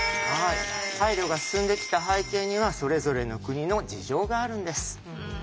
配慮が進んできた背景にはそれぞれの国の事情があるんです。